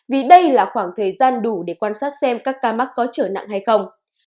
vì đây là khoảng thời gian đủ để quan sát xem các ca mắc có trở nặng hay không